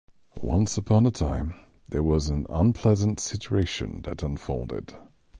Once upon a time, there was an unpleasant situation that unfolded.